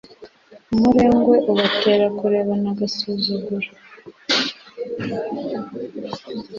umurengwe ubatera kurebana agasuzuguro